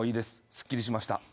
すっきりしました。